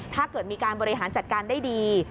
ถ้าเกิดมีการบริหารจัดการได้ดี